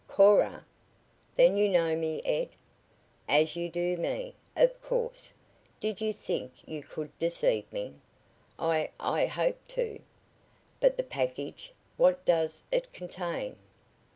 "Cora? Then you know me Ed?" "As you do me. Of course. Did you think you could deceive me?" "I I hoped to. But the package what does, it contain?"